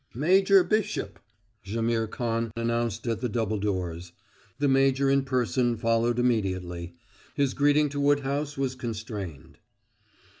"Major Bishop!" Jaimihr Khan announced at the double doors. The major in person followed immediately. His greeting to Woodhouse was constrained.